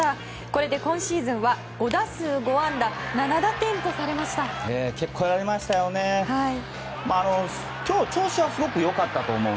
これで今シーズンは５打数５安打７打点とされました。